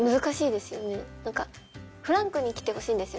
なんかフランクにきてほしいんですよ